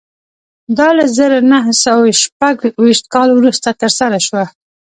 دا له زر نه سوه شپږ ویشت کال وروسته ترسره شوه